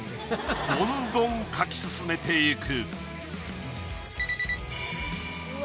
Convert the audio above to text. どんどん描き進めていく。